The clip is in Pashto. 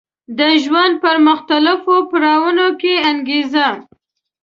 د ژوند په مختلفو پړاوونو کې انګېزه